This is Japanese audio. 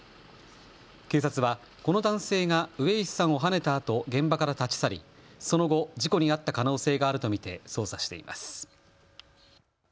警察はこの男性が上石さんをはねたあと現場から立ち去りその後、事故にあった可能性があると見て捜査しています。